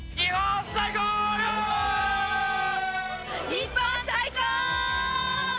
日本最高！